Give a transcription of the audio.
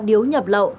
điếu nhập lậu